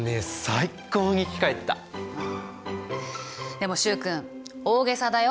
でも習君大げさだよ。